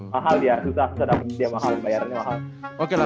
mahal dia susah susah dapet dia mahal bayarnya mahal